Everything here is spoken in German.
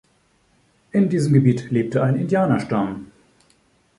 In diesem Gebiet lebte ein Indianerstamm.